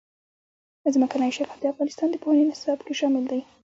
ځمکنی شکل د افغانستان د پوهنې نصاب کې شامل دي.